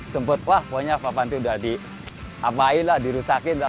sempet wah pokoknya papan itu udah diapain lah dirusakin lah